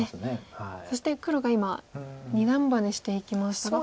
そして黒が今二段バネしていきましたが。